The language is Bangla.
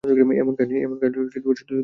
এমন কাহিনি শুধু সিনেমাতে হয়।